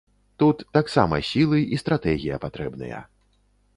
Тут таксама сілы і стратэгія патрэбныя.